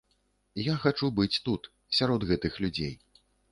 Я хачу быць тут, сярод гэтых людзей.